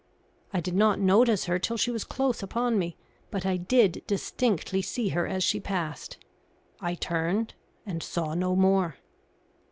I did not notice her till she was close upon me, but I did distinctly see her as she passed. I turned, and saw no more.